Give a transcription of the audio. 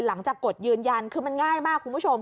หลังจากกดยืนยันคือมันง่ายมากคุณผู้ชม